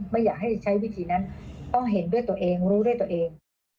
ไม่อยากให้ใช้วิธีนั้นต้องเห็นด้วยตัวเองรู้ด้วยตัวเอง